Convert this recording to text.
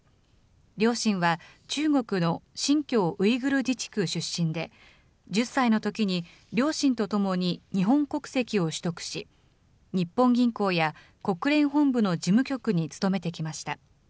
両親は中国の新疆ウイグル自治区出身で、１０歳のときに両親とともに日本国籍を取得し、日本銀行や国連本部の事務局に勤めてきました。